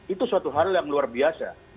itu suatu hal yang luar biasa